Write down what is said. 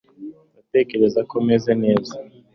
ndatekereza ko meze neza